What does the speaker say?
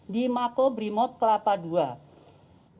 di mako brimot kelapa ii